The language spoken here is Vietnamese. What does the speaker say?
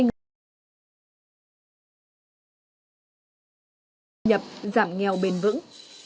nhập giảm nghèo bền vững